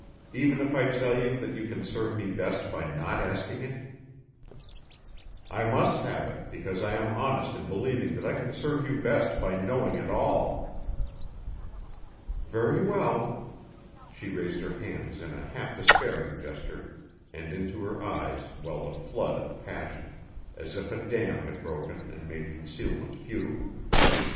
even if I tell you that you can serve me best by not asking it?" "I must have it, because I am honest in believing that I can serve you best by knowing it all." "Very well." She raised her hands in a half despairing gesture and into her eyes welled a flood of passion as if a dam had broken and made concealment futile.